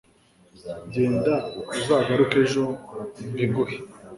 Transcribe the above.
Genda uzagaruke ejo mbiguhe